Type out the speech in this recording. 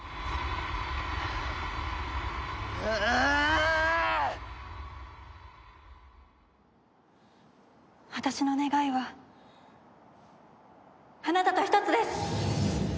うあぁぁーーっ！私の願いはあなたと一つです！